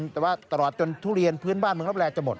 แต่ว่าตลอดจนทุเรียนพื้นบ้านเมืองรับแรจะหมด